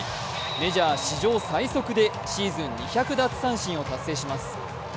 メジャー史上最速でシーズン２００奪三振を達成します。